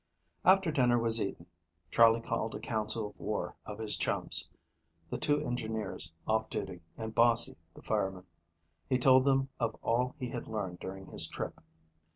After dinner was eaten, Charley called a council of war of his chums, the two engineers off duty, and Bossie the fireman. He told them of all he had learned during his trip.